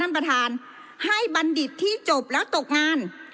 ท่านประธานให้บัณฑิตที่จบแล้วตกงาน